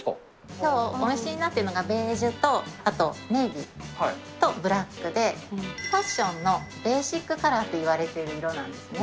きょうお召しになってるのがベージュとあとネイビーとブラックで、ファッションのベーシックカラーと言われてる色なんですね。